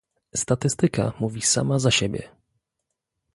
Statystyka mówi sama za siebie